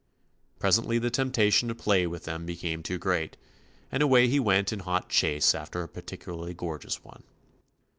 Presently the temptation to play with them became too great, and away he went in hot chase after a par ticularly gorgeous one.